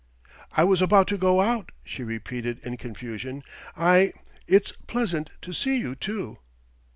"I was about to go out," she repeated in confusion. "I it's pleasant to see you, too."